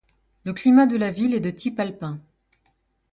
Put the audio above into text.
Le climat de la ville est de type alpin.